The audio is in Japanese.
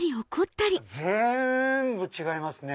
全部違いますね。